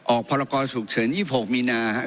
ออกพรกรสุขเฉิน๒๖มีนาฮะ